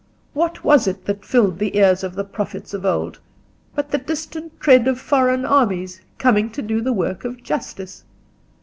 What was it that filled the ears of the prophets of old but the distant tread of foreign armies, coming to do the work of justice?